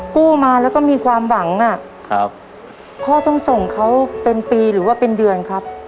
กู้มาแล้วก็มีความหวังอ่ะครับพ่อต้องส่งเขาเป็นปีหรือว่าเป็นเดือนครับ